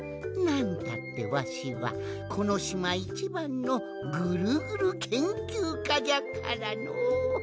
なんたってわしはこのしまいちばんの「ぐるぐるけんきゅうか」じゃからのう。